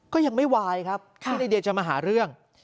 ก็ยังไม่วายครับที่ในเดียจะมาหาเรื่อง